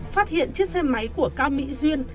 phát hiện chiếc xe máy của cao mỹ duyên